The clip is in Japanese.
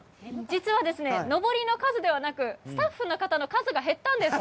実は、のぼりの数ではなくスタッフの方の数が減ったんです。